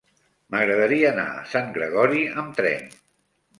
M'agradaria anar a Sant Gregori amb tren.